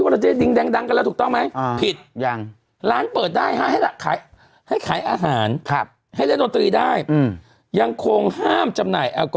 หรือเมื่อวันเราคิดว่าเราได้ดิงดังกันแล้วถูกต้องไหม